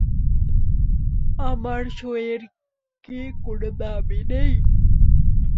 আমার সইয়ের কি কোনো দামই নেই?